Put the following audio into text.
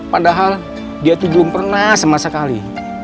padahal dia itu belum pernah sama sekali